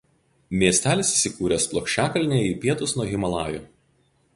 Miestelis įsikūręs plokščiakalnyje į pietus nuo Himalajų.